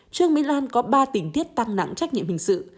trương mỹ lan có ba tình tiết tăng nặng trách nhiệm hình sự